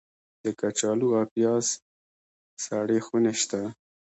د کچالو او پیاز سړې خونې شته؟